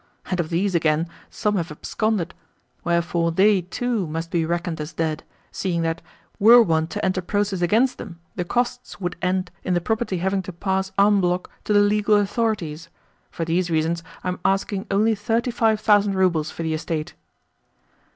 And of these, again, some have absconded; wherefore they too must be reckoned as dead, seeing that, were one to enter process against them, the costs would end in the property having to pass en bloc to the legal authorities. For these reasons I am asking only thirty five thousand roubles for the estate."